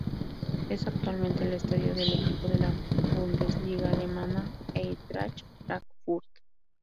Es actualmente el estadio del equipo de la Bundesliga alemana Eintracht Frankfurt.